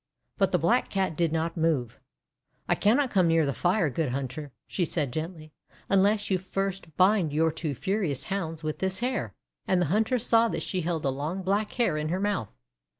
But the Black Cat did not move. "I cannot come near the fire, good hunter," she said gently, * unless you first bind your two furious Hounds with this hair." And the hunter saw that she held a long black hair in her mouth.